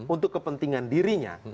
untuk kepentingan dirinya